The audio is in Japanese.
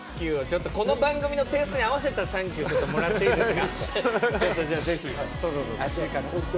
この番組のテーストに合わせたサンキューもらっていいですか。